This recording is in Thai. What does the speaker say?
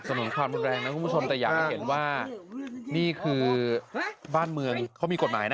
หนีความรุนแรงนะคุณผู้ชมแต่อยากให้เห็นว่านี่คือบ้านเมืองเขามีกฎหมายนะ